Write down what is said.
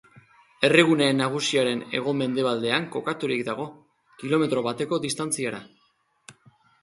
Herrigune nagusiaren hego-mendebaldean kokaturik dago, kilometro bateko distantziara.